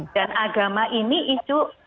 dan agama ini isu